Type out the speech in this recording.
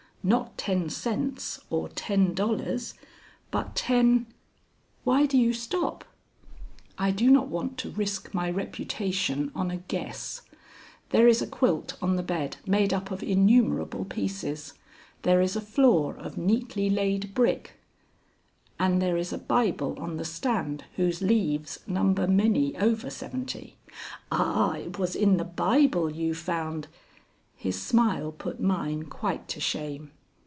Not ten cents or ten dollars, but ten " "Why do you stop?" "I do not want to risk my reputation on a guess. There is a quilt on the bed made up of innumerable pieces. There is a floor of neatly laid brick " "And there is a Bible on the stand whose leaves number many over seventy." "Ah, it was in the Bible you found " His smile put mine quite to shame.